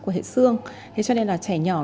của hệ xương cho nên là trẻ nhỏ